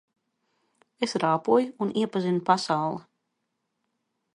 Es rāpoju un iepazinu pasauli.